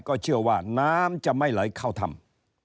ก็เชื่อว่าน้ำจะไม่ไหลเข้าถ้ำ